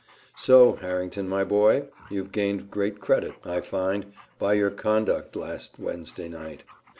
"So, Harrington, my boy, you've gained great credit, I find, by your conduct last Wednesday night.